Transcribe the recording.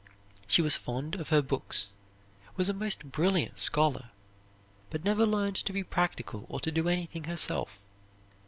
She was fond of her books, was a most brilliant scholar, but never learned to be practical or to do anything herself.